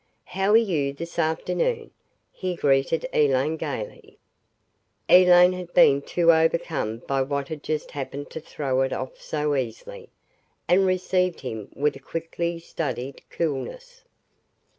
"How are you this afternoon?" he greeted Elaine gaily. Elaine had been too overcome by what had just happened to throw it off so easily, and received him with a quickly studied coolness.